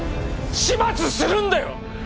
始末するんだよ